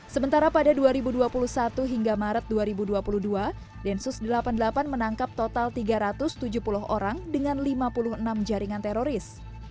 sementara pada dua ribu dua puluh satu hingga maret dua ribu dua puluh dua densus delapan puluh delapan menangkap total tiga ratus tujuh puluh orang dengan lima puluh enam jaringan teroris